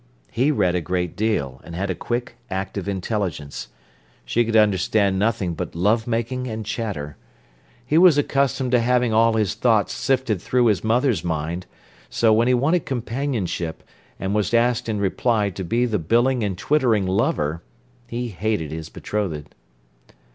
He read a great deal, and had a quick, active intelligence. She could understand nothing but love making and chatter. He was accustomed to having all his thoughts sifted through his mother's mind; so, when he wanted companionship, and was asked in reply to be the billing and twittering lover, he hated his betrothed.